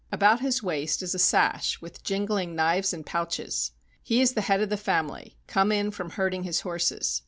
About his waist is a sash with jingling knives and pouches. He is the head of the fam ily, come in from herding his horses.